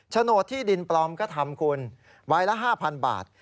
โดดที่ดินปลอมก็ทำคุณใบละ๕๐๐บาท